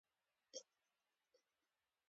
ژوندي نیک عمل ته دوام ورکوي